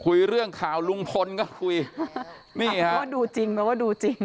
คุยเรื่องข่าวลุงพลก็คุยนี่ฮะว่าดูจริงแปลว่าดูจริง